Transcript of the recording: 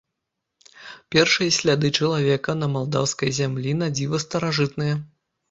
Першыя сляды чалавека на малдаўскай зямлі надзіва старажытныя.